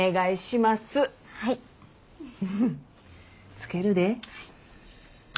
つけるで。